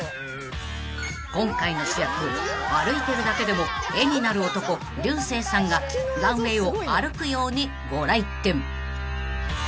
［今回の主役歩いてるだけでも絵になる男竜星さんがランウェイを歩くようにご来店］